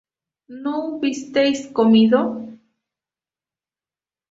¿no hubisteis comido?